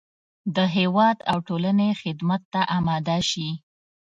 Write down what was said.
د هېواد او ټولنې خدمت ته اماده شي.